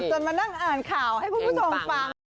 มานั่งอ่านข่าวให้คุณผู้ชมฟัง